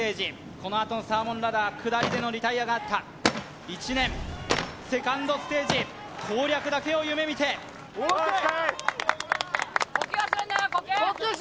このあとのサーモンラダー下りでのリタイアがあった１年セカンドステージ攻略だけを夢見てＯＫ！